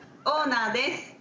オーナーです。